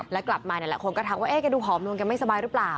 แล้วกลับมาแต่แหละเเหละคนนั้นก็ถามแหล่ะดูผอมลงไม่สบายรึเปล่า